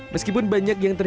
meskipun banyak yang menarik